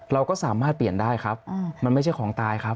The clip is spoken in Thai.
เราก็สามารถเปลี่ยนได้ครับมันไม่ใช่ของตายครับ